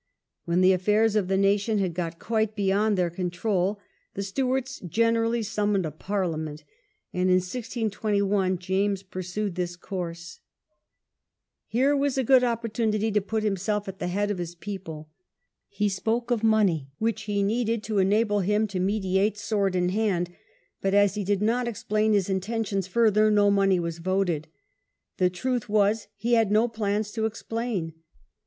When the affairs of the nation had got quite beyond their control the Stewarts generally summoned a Parliament, and in 162 1 James pursued this course. Here was a good QUARREL AND DISSOLUTION. 1 7 opportunity to put himself at the head of his {People. He spoke of money which he needed to enable him to mediate " sword in hand ", but, as he did not explain his intentions further, no money was voted. The truth was, he had no plans to explain.